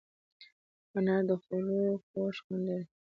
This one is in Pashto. انار د خوړو خوږ خوند لري.